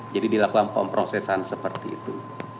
jadi dilakukan pemprosesan seperti itu